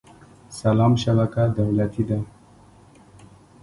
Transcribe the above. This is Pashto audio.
سلام شبکه دولتي ده